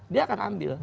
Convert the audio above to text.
dia akan ambil